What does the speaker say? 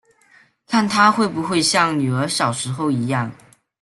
看她会不会像女儿小时候一样